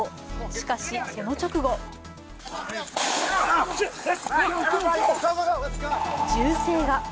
しかしその直後銃声が。